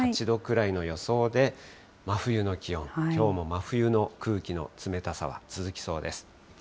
８度くらいの予想で、真冬の気温、きょうも真冬の空気の冷たさは続きそうです。